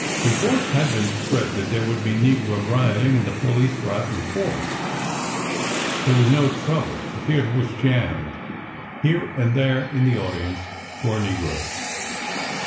Reports had been spread that there would be negro rioting, and the police were out in force. There was no trouble. The theatre was jammed. Here and there in the audience were negroes.